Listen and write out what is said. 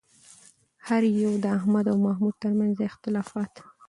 هر یو د احمد او محمود ترمنځ اختلافات